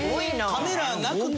カメラなくても。